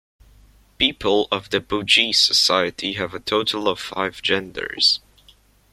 People of the Bugis society have a total of five genders.